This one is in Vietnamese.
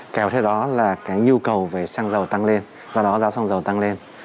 kéo theo đó là cái nhu cầu về xăng dầu tăng lên do đó giá xăng dầu tăng lên